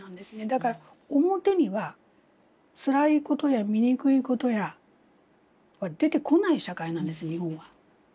だから表にはつらいことや醜いことは出てこない社会なんです日本は。